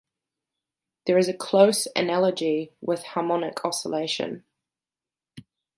There is a close analogy with harmonic oscillation.